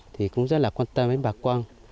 thì cũng rất là quan tâm đến bà quang